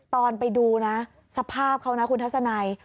ตอนไปดูนะสภาพเขานะคุณทัศนัย